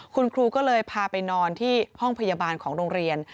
คุณครูก็เลยพาไปนอนที่ห้องพยาบาลของโรงเรียน